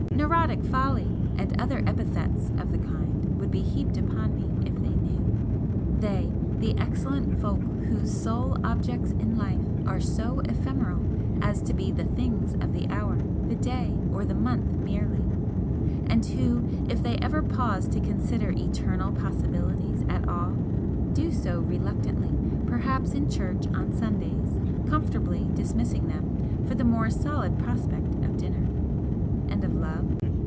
'Neurotic folly!' and other epithets of the kind would be heaped upon me if they knew they, the excellent folk whose sole objects in life are so ephemeral as to be the things of the hour, the day, or the month merely, and who if they ever pause to consider eternal possibilities at all, do so reluctantly perhaps in church on Sundays, comfortably dismissing them for the more solid prospect of dinner. And of Love?